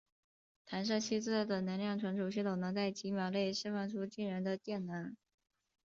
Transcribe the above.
弹射器自带的能量存储系统能在几秒内释放出惊人的电能。